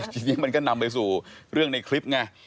ทีนี้มันก็นำไปสู่เรื่องในคลิปไง